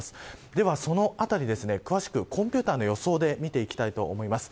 では、そのあたり詳しくコンピューターの予想で見ていきたいと思います。